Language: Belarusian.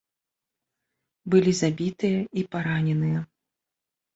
Былі забітыя і параненыя.